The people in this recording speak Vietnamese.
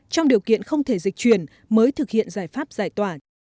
trong điều kiện không thể dịch chuyển mới thực hiện giải pháp giải tỏa